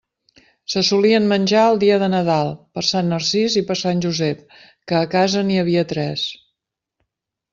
Se solien menjar el dia de Nadal, per Sant Narcís i per Sant Josep, que a casa n'hi havia tres.